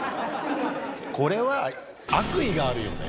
これは悪意があるよね。